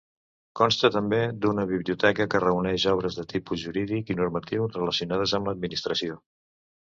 Consta també d'una biblioteca que reuneix obres de tipus jurídic i normatiu relacionades amb l'administració.